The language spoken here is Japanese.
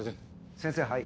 先生はい。